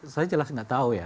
saya jelas tidak tahu ya